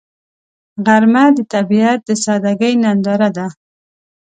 غرمه د طبیعت د سادګۍ ننداره ده